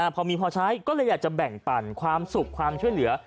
พอมีพอใช้ก็เลยอยากจะแบ่งปั่นความสุขความช่วยเหลือ